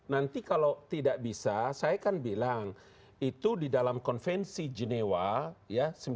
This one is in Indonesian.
nanti kalau tidak bisa saya kan bilang itu di dalam konvensi genewa ya